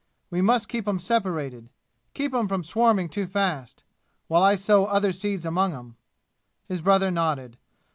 We must keep 'em separated keep 'em from swarming too fast while I sow other seeds among 'em." His brother nodded.